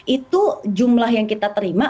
itu jumlah yang kita terima